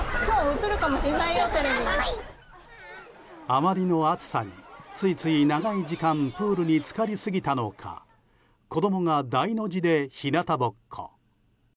あまりの暑さについつい長い時間プールに浸かりすぎたのか子供が大の字で日向ぼっこ。